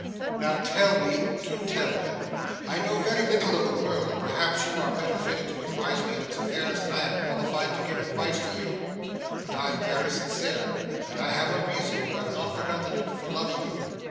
Now, tell me do tell me. I know very little of the world, and perhaps you are better fitted to advise me in its affairs than I am qualified to give advice to you; but I am very sincere, and I have a reason (you have not forgotten it) for loving you.